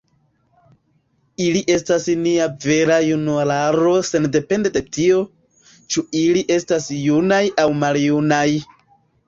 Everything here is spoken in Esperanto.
“Ili estas nia vera junularo sendepende de tio, ĉu ili estas junaj aŭ maljunaj.